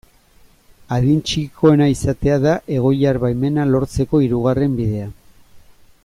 Adin txikikoena izatea da egoiliar baimena lortzeko hirugarren bidea.